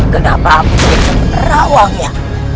kenapa aku terawak ya